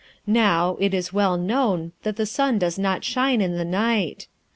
Now, it is well known that the sun does not shine in the night.